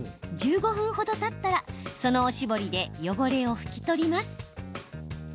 １５分ほどたったらそのおしぼりで汚れを拭き取ります。